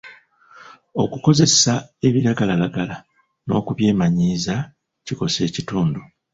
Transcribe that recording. Okukozesa ebiragalalagala n'okubyemanyiiza kikosa ekitundu.